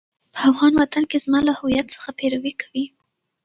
په افغان وطن کې به زما له هويت څخه پيروي کوئ.